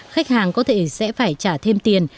khách hàng có thể sẽ phải trả thêm tiền